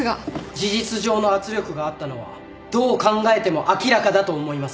事実上の圧力があったのはどう考えても明らかだと思います。